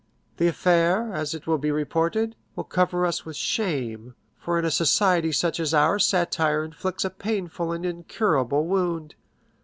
The affair, as it will be reported, will cover us with shame; for in a society such as ours satire inflicts a painful and incurable wound.